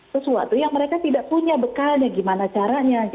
sesuatu yang mereka tidak punya bekalnya gimana caranya